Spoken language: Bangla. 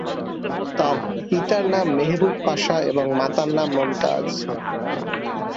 তার পিতার নাম মেহবুব পাশা এবং মাতার নাম মমতাজ।